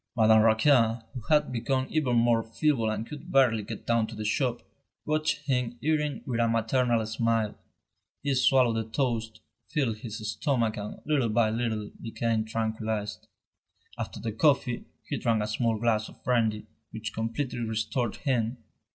Madame Raquin, who had become even more feeble and could barely get down to the shop, watched him eating with a maternal smile. He swallowed the toast, filled his stomach and little by little became tranquillised. After the coffee, he drank a small glass of brandy which completely restored him.